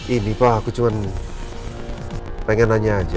ini pak aku cuma pengen nanya aja